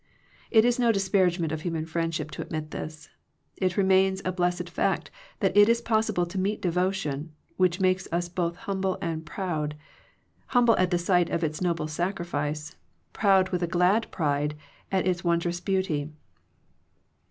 It is no dis paragement of human friendship to admit this. It remains a blessed fact that it is possible to meet devotion, which makes us both humble and proud; humble at the sight of its noble sacrifice, proud with a glad pride at its wondrous beauty.